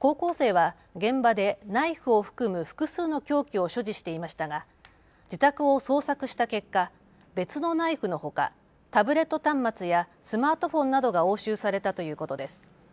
高校生は現場でナイフを含む複数の凶器を所持していましたが自宅を捜索した結果、別のナイフのほかタブレット端末やスマートフォンなどが押収されたということです。